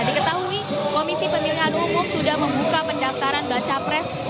diketahui komisi pemilihan umum sudah membuka pendaftaran baca pres